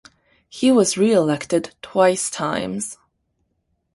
He was re-elected twice times.